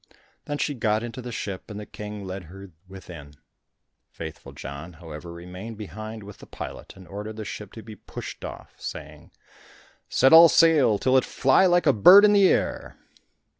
Then she got into the ship, and the King led her within. Faithful John, however, remained behind with the pilot, and ordered the ship to be pushed off, saying, "Set all sail, till it fly like a bird in air."